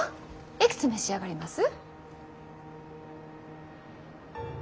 いくつ召し上がります？